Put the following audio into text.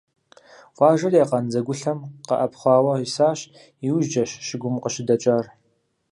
Къуажэри а къандзэгулъэм къэӀэпхъуауэ исащ, иужькӀэщ щыгум къыщыдэкӀар.